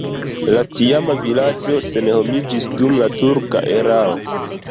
La tiama vilaĝo senhomiĝis dum la turka erao.